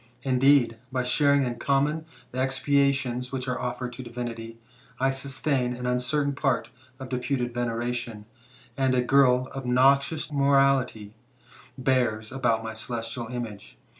Indeed, by sharing in common the expiations which are offered to divinity, I sustain an uncertain part of deputed vener ation, and a girl obnoxious to mortality bears about my celestial image.